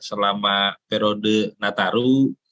selama perode nataru